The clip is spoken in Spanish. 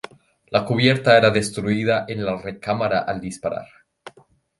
La cubierta era destruida en la recámara al disparar.